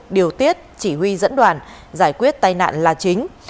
điều tiết chỉ huy dẫn đoàn giải quyết tai nạn là chính